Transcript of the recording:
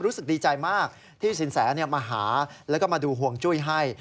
รู้สึกดีใจมากที่สินแสมาหาแล้วก็มาดูห่วงจุ้ยให้